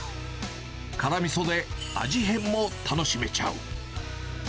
辛みそで味変も楽しめちゃう。